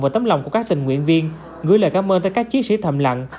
và tấm lòng của các tình nguyện viên gửi lời cảm ơn tới các chiến sĩ thầm lặng